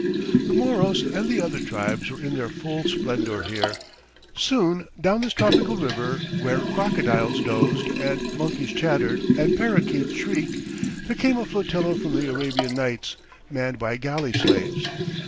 The Moros and the other tribes were in their full splendour here. Soon, down this tropical river, where crocodiles dozed and monkeys chattered and paroquets shrieked, there came a flotilla from the Arabian Nights, manned by galley slaves.